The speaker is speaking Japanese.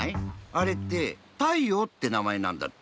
あれって「太陽」ってなまえなんだって。